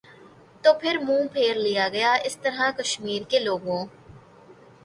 تو منہ پھیر لیا گیا اس طرح کشمیر کے لوگوں